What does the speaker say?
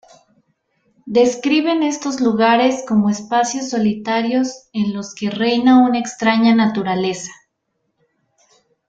Describen estos lugares como espacios solitarios en los que reina una extraña naturaleza.